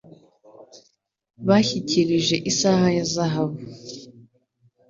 Bashyikirije isaha ya zahabu.